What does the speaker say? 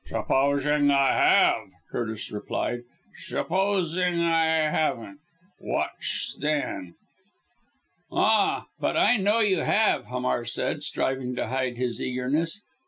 "Shupposing I have," Curtis replied, "shupposing I haven't whatch then?" "Ah, but I know you have," Hamar said, striving to hide his eagerness.